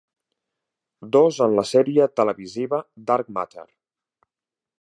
Dos en la sèrie televisiva "Dark Matter".